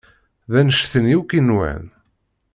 D anect-nni akk i nwan.